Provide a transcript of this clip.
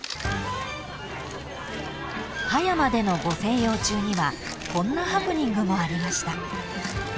［葉山でのご静養中にはこんなハプニングもありました］